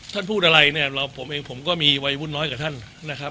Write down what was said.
พูดอะไรเนี่ยเราผมเองผมก็มีวัยวุ่นน้อยกว่าท่านนะครับ